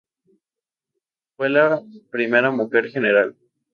Fue la primera mujer General.